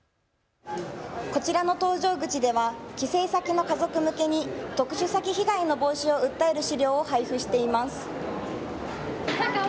こちらの搭乗口では帰省先の家族向けに特殊詐欺被害の防止を訴える資料を配布しています。